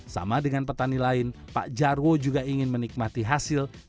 sama dengan petani lain pak jarwo juga ingin menikmati hasil di luar kebun